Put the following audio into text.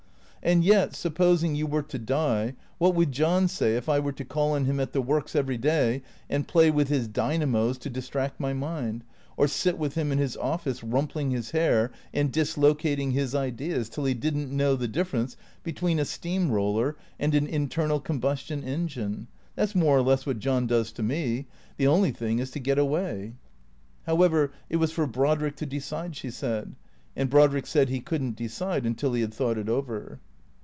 And yet, supposing you were to die, what would John say if I were to call on him at the works every day, and play with his dynamos to distract my mind, or sit with him in his office rumpling his hair, and dislocating his ideas till he didn't know the difference between a steam roller and an internal combustion engine? That's more or less what John does to me. The only thing is to get away." However, it was for Brodrick to decide, she said. And Brod rick said he could n't decide until he had thought it over.